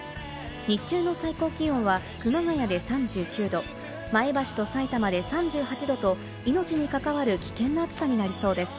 日中の最高気温は熊谷で３９度、前橋と、さいたまで３８度と命に関わる危険な暑さになりそうです。